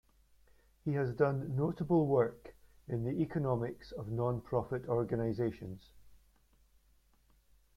He has done notable work in the economics of nonprofit organizations.